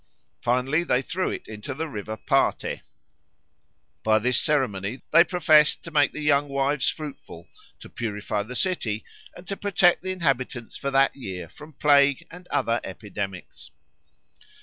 Finally they threw it into the river Parthe. By this ceremony they professed to make the young wives fruitful, to purify the city, and to protect the inhabitants for that year from plague and other epidemics.